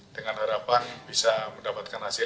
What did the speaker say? dengan harapan bisa mendapatkan hasil